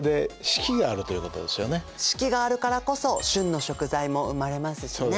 四季があるからこそ旬の食材も生まれますしね。